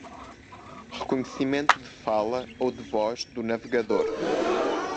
Reconhecimento de fala ou de voz do navegador!